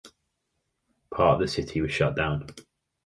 Part of the city was shut down.